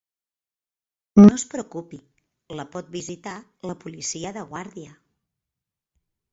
No es preocupi, la pot visitar la policia de guàrdia.